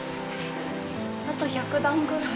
あと１００段ぐらい？